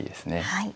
はい。